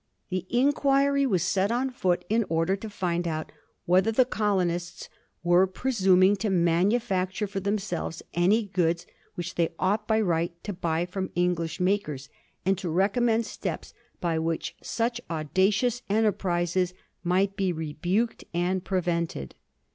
The inquiry was set on foot in order to find out whether the colonists were presum ing to manufacture for themselves any goods which they ought by right to buy from English makers, and to recommend steps by which such audacious enterprises might be rebuked and prevented.